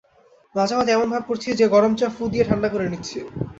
মাঝে-মাঝে এমন ভাব করছি যে গরম চা ফুঁ দিয়ে ঠাণ্ডা করে নিচ্ছি।